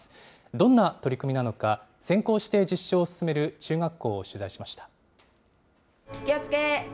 どんな取り組みなのか、先行して実証を進める中学校を取材しました。